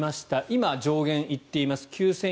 今、上限行っています。